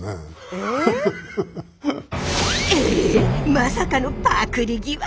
まさかのパクリ疑惑！？